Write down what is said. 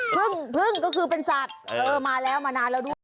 พึ่งพึ่งก็คือเป็นสัตว์เออมาแล้วมานานแล้วด้วย